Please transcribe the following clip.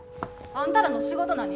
あんたらの仕事何？